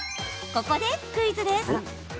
ここでクイズです。